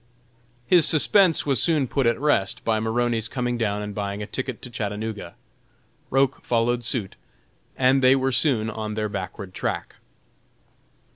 His suspense was soon put at rest, by Maroney's coming down and buying a ticket to Chattanooga. Roch followed suit, and they were soon on their backward track.